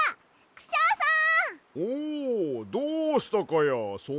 クシャさん